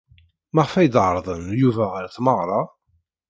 Maɣef ay d-ɛerḍen Yuba ɣer tmeɣra?